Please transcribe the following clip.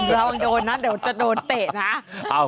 โดนนะเดี๋ยวจะโดนเตะนะ